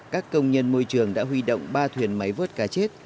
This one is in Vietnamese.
các công nhân môi trường đã huy động ba thuyền máy vớt cá chết